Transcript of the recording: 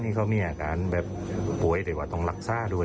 นี่เขามีอาการแบบโบ๊ยเหมือนกันแต่ว่าต้องรักษาด้วย